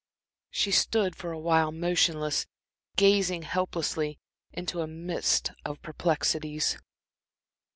She stood for a while motionless, gazing helplessly into a mist of perplexities.